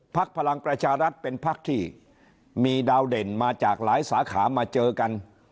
พลังประชารัฐเป็นพักที่มีดาวเด่นมาจากหลายสาขามาเจอกัน